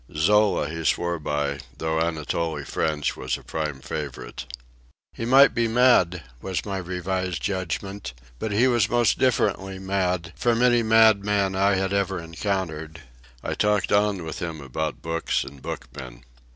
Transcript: Zola he swore by, though Anatole France was a prime favourite. He might be mad, was my revised judgment, but he was most differently mad from any madman I had ever encountered. I talked on with him about books and bookmen.